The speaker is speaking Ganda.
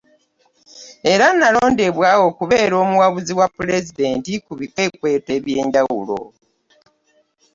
Era n'alondebwa okubeera omuwabuzi wa Pulezidenti ku bikwekweto ebyenjawulo